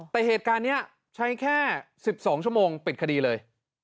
แต่เหตุการณ์นี้ใช้แค่๑๒ชั่วโมงปิดคดีเลย